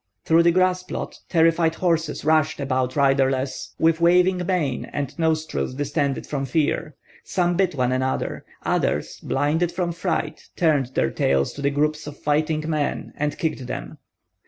Through the grass plot terrified horses rushed about riderless, with waving mane and nostrils distended from fear; some bit one another; others, blinded from fright, turned their tails to the groups of fighting men and kicked them.